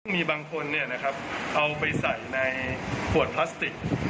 มีบางคนเอาไปใส่ในขวดพลาสติก